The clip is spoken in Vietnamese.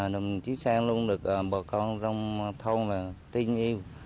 đồng chí sang luôn được bà con trong thôn tin yêu